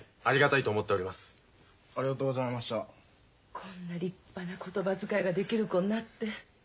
こんな立派な言葉遣いができる子になって。